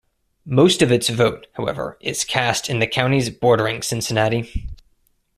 Most of its vote, however, is cast in the counties bordering Cincinnati.